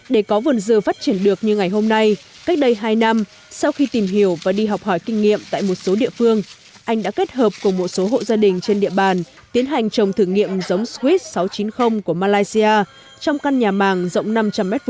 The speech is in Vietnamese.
để có vườn dưa phát triển được như ngày hôm nay cách đây hai năm sau khi tìm hiểu và đi học hỏi kinh nghiệm tại một số địa phương anh đã kết hợp cùng một số hộ gia đình trên địa bàn tiến hành trồng thử nghiệm giống swiss sáu trăm chín mươi của malaysia trong căn nhà màng rộng năm trăm linh m hai và đã cho hiệu quả kinh tế cao